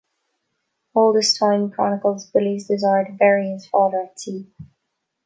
"All This Time" chronicles Billy's desire to bury his father at sea.